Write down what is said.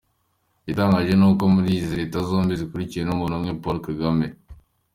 Igitangaje ni uko izi Leta zombi zikuriwe n’umuntu umwe: Paul Kagame.